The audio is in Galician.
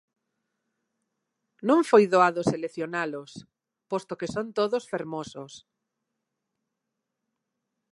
Non foi doado seleccionalos, posto que son todos fermosos.